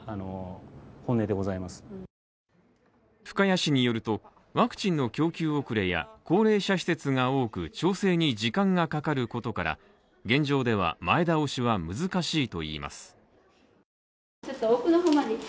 深谷市によると、ワクチンの供給遅れや高齢者施設が多く、調整に時間がかかることから、現状では、前倒しは難しいといいます。